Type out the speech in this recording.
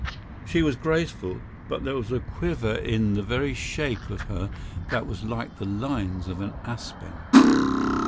She was graceful, but there was a quiver in the very shape of her that was like the lines of an aspen.